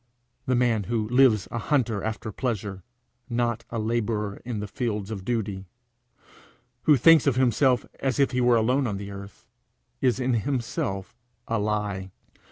The man who lives a hunter after pleasure, not a labourer in the fields of duty, who thinks of himself as if he were alone on the earth, is in himself a lie.